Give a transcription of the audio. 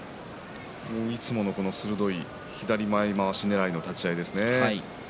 いつもの鋭い左前まわしねらいの立ち合いですね。